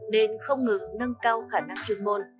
nên không ngừng nâng cao khả năng chuyên môn